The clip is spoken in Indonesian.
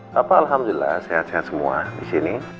bapak alhamdulillah sehat sehat semua di sini